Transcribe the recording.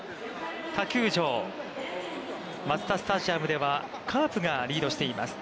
他球場、マツダスタジアムでは、カープがリードしています。